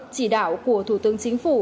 chỉ đạo của thủ tướng chính phủ